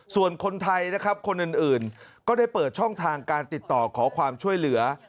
ส่วนคนไทยนะครับคนอื่นก็ได้เปิดช่องทางการติดต่อขอความช่วยเหลือ